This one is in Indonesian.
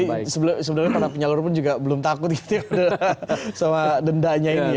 jadi sebenarnya para penyalur pun juga belum takut gitu ya sama dendanya ini ya